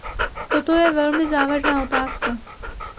Toto je velice závažná otázka.